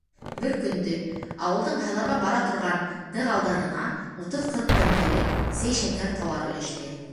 Бер көндө ауылдың һайларға бара торған дығалдарына утыҙ-ҡырҡ тәңкәлек сәй-шәкәр, тауар өләште.